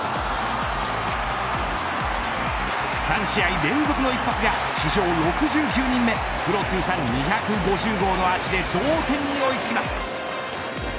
３試合連続の一発が史上６９人目プロ通算２５０号のアーチで同点に追いつきます。